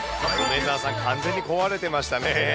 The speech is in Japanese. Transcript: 梅澤さん、完全に壊れていましたね。